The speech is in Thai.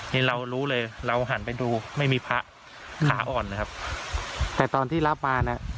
นี่เรารู้เลยเราหันไปดูไม่มีพระขาอ่อนเลยครับแต่ตอนที่รับมานะ